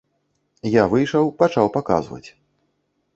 Я выйшаў, пачаў паказваць.